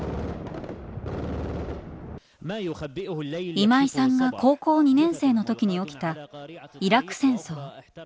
今井さんが高校２年生の時に起きたイラク戦争。